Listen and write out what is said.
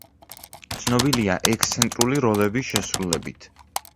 ცნობილია ექსცენტრული როლების შესრულებით.